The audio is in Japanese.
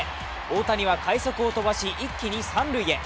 大谷は快足をとばし一気に三塁へ。